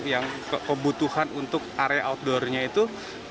yang kebutuhan untuk area outdoor nya itu